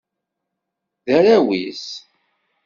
D arraw-is.